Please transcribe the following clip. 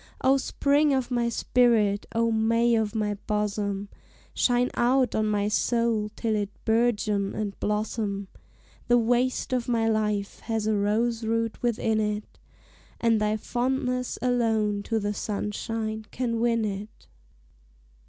O Spring of my spirit, O May of my bosom, Shine out on my soul, till it bourgeon and blossom; The waste of my life has a rose root within it, And thy fondness alone to the sunshine can win it.